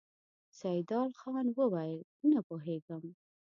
سيدال خان وويل: نه پوهېږم!